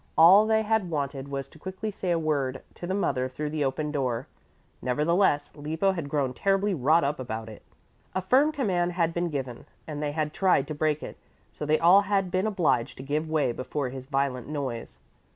All they had wanted was to quickly say a word to the mother through the open door. Nevertheless, Lippo had grown terribly wrought up about it. A firm command had been given, and they had tried to break it, so they all had been obliged to give way before his violent noise.